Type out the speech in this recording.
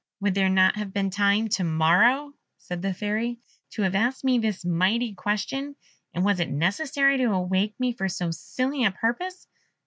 "Would there not have been time to morrow," said the Fairy, "to have asked me this mighty question, and was it necessary to awake me for so silly a purpose?